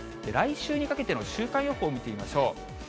来週にかけての週間予報を見てみましょう。